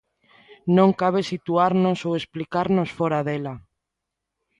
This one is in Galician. Non cabe situarnos ou explicarnos fóra dela.